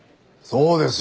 そうですよ。